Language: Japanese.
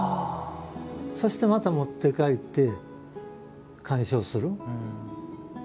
そして、また持って帰って観賞する。